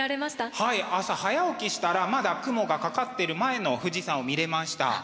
はい朝早起きしたらまだ雲がかかってる前の富士山を見れました。